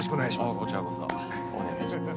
あっこちらこそお願いします。